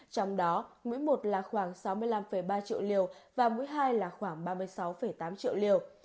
trong đó mũi một là khoảng sáu mươi năm ba triệu liều và mũi hai là khoảng ba mươi sáu tám triệu liều